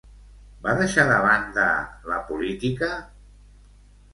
Va deixar de banda la política?